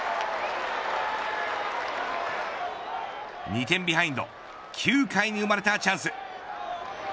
２点ビハインド９回に生まれたチャンス。